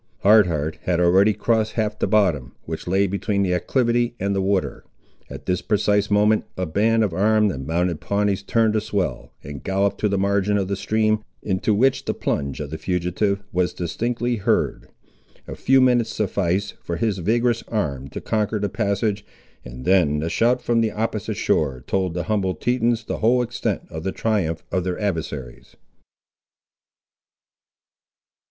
Hard Heart had already crossed half the bottom, which lay between the acclivity and the water. At this precise moment a band of armed and mounted Pawnees turned a swell, and galloped to the margin of the stream, into which the plunge of the fugitive was distinctly heard. A few minutes sufficed for his vigorous arm to conquer the passage, and then the shout from the opposite shore told the humbled Tetons the whole extent of the triumph of their adversaries.